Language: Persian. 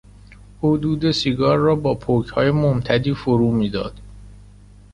او دود سیگار را با پکهای ممتدی فرو میداد.